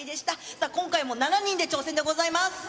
さあ、今回も７人で挑戦でございます。